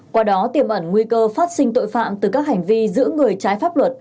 qua đó tiềm ẩn nguy cơ phát sinh tội phạm từ các hành vi giữ người trái pháp luật